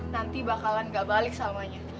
nanti bakalan gak balik samanya